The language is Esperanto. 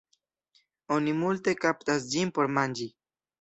Oni multe kaptas ĝin por manĝi.